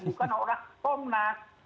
bukan orang komnak